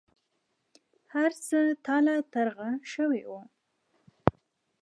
هر څه تالا ترغه شوي وو.